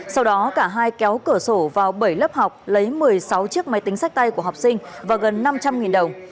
sau đó cả hai kéo cửa sổ vào bảy lớp học lấy một mươi sáu chiếc máy tính sách tay của học sinh và gần năm trăm linh đồng